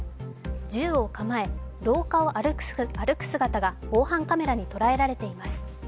銃を構え廊下を歩く姿が防犯カメラに捉えられています。